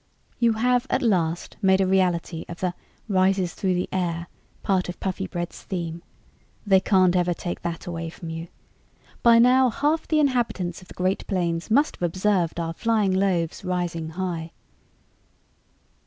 You have at last made a reality of the 'rises through the air' part of Puffybread's theme. They can't ever take that away from you. By now, half the inhabitants of the Great Plains must have observed our flying loaves rising high."